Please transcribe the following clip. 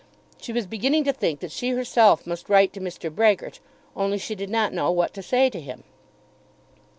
She was beginning to think that she herself must write to Mr. Brehgert, only she did not know what to say to him.